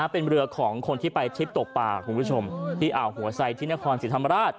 เป็นเรือของคนที่ไปทริปตกป่าคุณผู้ชมที่อ่าวหัวไซดที่นครศรีธรรมราช